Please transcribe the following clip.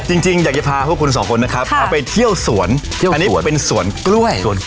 จริงอยากจะพาพวกคุณสองคนนะครับเอาไปเที่ยวสวนเที่ยวอันนี้เป็นสวนกล้วย